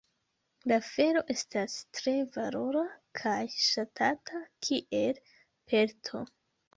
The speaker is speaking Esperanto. La felo estas tre valora kaj ŝatata kiel pelto.